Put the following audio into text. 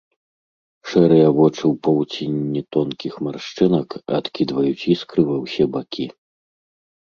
Шэрыя вочы ў павуцінні тонкіх маршчынак адкідваюць іскры ва ўсе бакі.